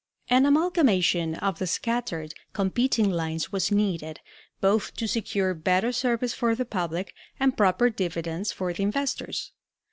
An amalgamation of the scattered, competing lines was needed, both to secure better service for the public and proper dividends for the investors.